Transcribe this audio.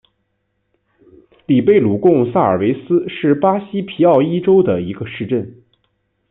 里贝鲁贡萨尔维斯是巴西皮奥伊州的一个市镇。